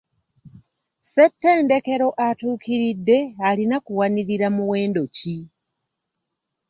Ssettendekero atuukiridde alina kuwanirira muwendo ki?